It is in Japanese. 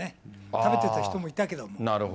食べてた人もいたけども。